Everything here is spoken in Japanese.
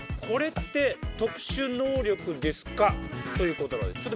「これって特殊能力ですか？」ということなので。